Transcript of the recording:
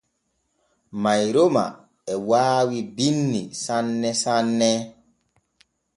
Mayroma e waawi binni sanne sanne.